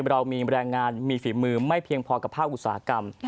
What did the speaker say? เรามีแรงงานมีฝีมือไม่เพียงพอกับภาคอุตสาหกรรม